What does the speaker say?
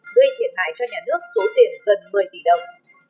gây thiệt hại cho nhà nước số tiền gần một mươi tỷ đồng